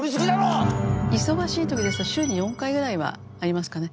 忙しい時ですと週に４回ぐらいはありますかね。